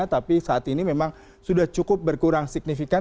tapi saat ini memang sudah cukup berkurang signifikan